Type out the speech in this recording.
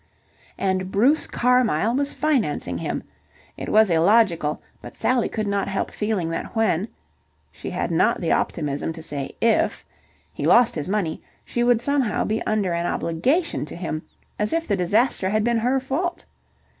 And Bruce Carmyle was financing him... It was illogical, but Sally could not help feeling that when she had not the optimism to say "if" he lost his money, she would somehow be under an obligation to him, as if the disaster had been her fault.